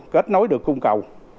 kết nối được cung cầu